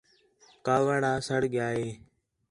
کاوِڑا سڑ ڳِیا ہے